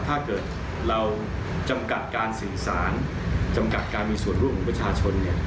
ถ้าเกิดเราจำกัดการสื่อสารจำกัดการมีส่วนร่วมของประชาชน